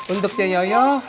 untuk cuy yoyo